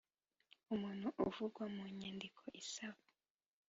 umuntu uvugwa mu nyandiko isaba